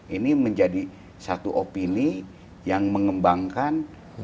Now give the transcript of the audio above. ini menjadi satu opini yang mengembangkan